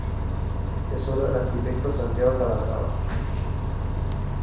Es obra del arquitecto Santiago Calatrava.